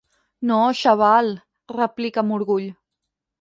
No, xaval —replica amb orgull—.